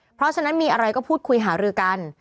เพราะฉะนั้นมีอะไรก็พูดคุยหารือกัน